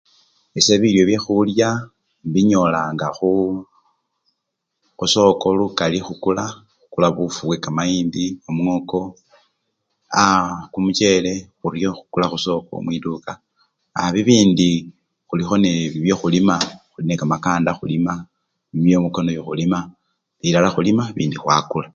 Ese bilyo byekhulya imbinyolanga khu! khusoko lukali khukula, khukula bufu bwekamayindi namwe mwoko, aa! kumuchele khuryo khukula khusoko mwituka aa! bibindi khulikho nebyekhulima, khulikho nekamakanda khulima, kimyoko nakyo khulima, bilala khulima bibindi khwakula.